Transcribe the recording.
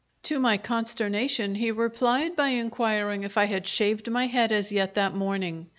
To my consternation he replied by inquiring if I had shaved my head as yet that morning.